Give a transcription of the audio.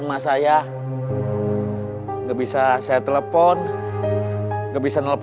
gak ada yang kabur